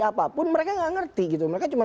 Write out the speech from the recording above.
apapun mereka nggak ngerti gitu mereka cuma